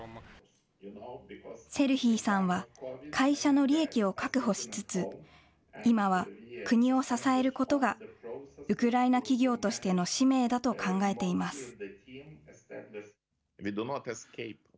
セルヒーさんは会社の利益を確保しつつ今は国を支えることがウクライナ企業としての使命だと考えています。